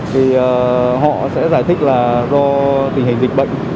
thì họ sẽ giải thích là do tình hình dịch bệnh